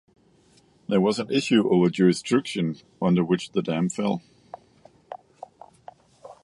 There was an issue over jurisdiction under which the dam fell.